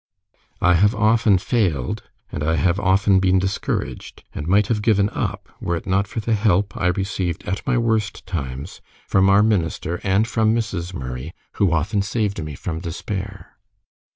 I have often failed, and I have often been discouraged, and might have given up were it not for the help I received at my worst times from our minister and from Mrs. Murray, who often saved me from despair."